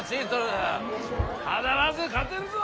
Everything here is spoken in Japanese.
必ず勝てるぞ！